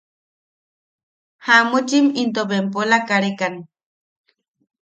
Jamuchim into bempola karekan.